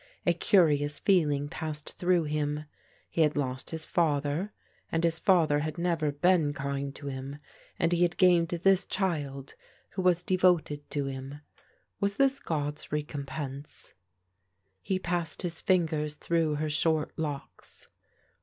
A curious feeling passed through him. He had lost his father; and his father had never been kind to him, and he had gained this child, who was devoted to him. Was this God's recompense? He passed his fingers through her short locks.